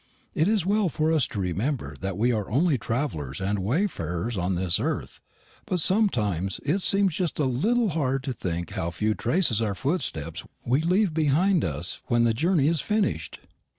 It is well for us to remember that we are only travellers and wayfarers on this earth; but sometimes it seems just a little hard to think how few traces of our footsteps we leave behind us when the journey is finished."